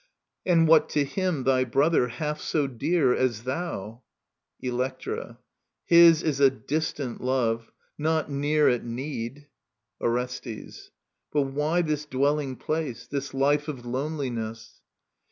And what to him, thy brother, half so dear As thou ? At need. Electra. His is a distant love, not near Orestes. But why this dwelling place, this life Of loneliness